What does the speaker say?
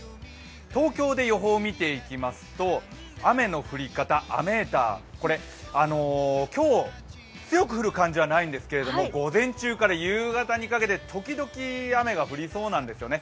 東京で予報を見ていきますと雨の降り方、雨ーターこれ、今日強く降る感じはないんですけれども、午前中から夕方にかけて時々、雨が降りそうなんですよね。